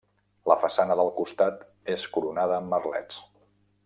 La façana del costat és coronada amb merlets.